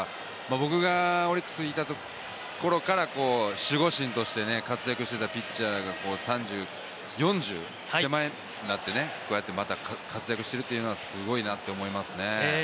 僕がオリックスいたころから、守護神として活躍していたピッチャーが４０手前になってこうやってまだ活躍しているというのはすごいなと思いますね。